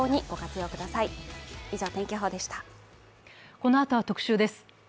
このあとは特集です。